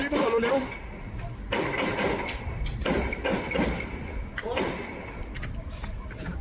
ไม่ต้องหล่อรู้เร็ว